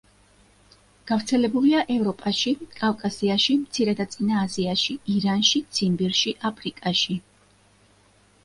გავრცელებულია ევროპაში, კავკასიაში, მცირე და წინა აზიაში, ირანში, ციმბირში, აფრიკაში.